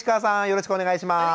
よろしくお願いします。